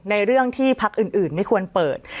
เรื่องที่พักอื่นไม่ควรเปิด